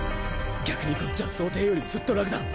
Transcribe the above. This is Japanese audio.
逆にこっちは想定よりずっと楽だ。